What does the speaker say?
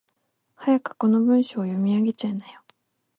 早くこの文章を読み上げちゃいなよ。